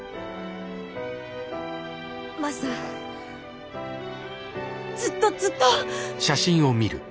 マサずっとずっと。